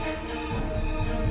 aku akan sediakan cara saja